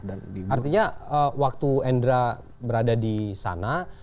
artinya waktu endra berada di sana